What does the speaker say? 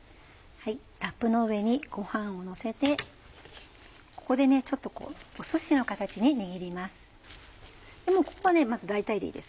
ラップの上にごはんをのせてここでちょっとおすしの形に握ります。